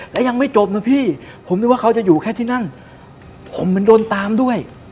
และยังไม่จบนะพี่ผมนึกว่าเขาจะอยู่แค่ที่นั่นผมเหมือนโดนตามด้วย